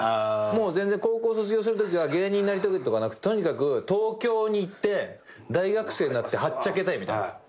もう全然高校卒業するときは芸人になりたいとかなくてとにかく東京に行って大学生になってはっちゃけたいみたいな。